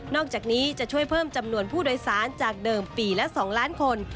อกจากนี้จะช่วยเพิ่มจำนวนผู้โดยสารจากเดิมปีละ๒ล้านคน